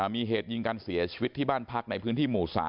มีเหตุยิงกันเสียชีวิตที่บ้านพักในพื้นที่หมู่๓